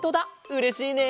うれしいね。